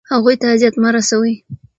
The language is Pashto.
هغوی ته اذیت مه رسوئ.